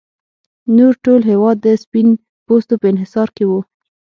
نور ټول هېواد د سپین پوستو په انحصار کې و.